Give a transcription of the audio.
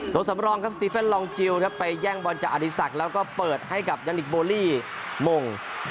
ตัวสำรองครับสติฟันลองจิลไปแย่งบอลจากอาริสักแล้วก็เปิดให้กับยันนิกบอลลี่มง